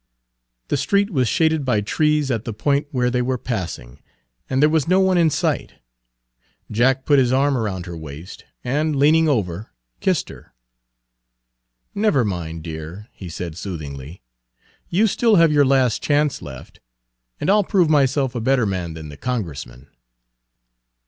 The street was shaded by trees at the point where they were passing, and there was no one in sight. Jack put his arm around her waist, and, leaning over, kissed her. Page 131 "Never mind, dear," he said soothingly, "you still have your 'last chance' left, and I 'll prove myself a better man than the Congressman."